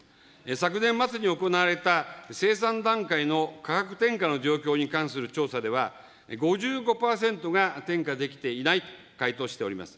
昨年末に行われた生産段階の価格転嫁の状況に関する調査では、５５％が転嫁できていないと回答しております。